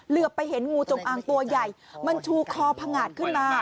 เหลือไปเห็นงูจงอางตัวใหญ่มันชูคอพะงะขึ้นมา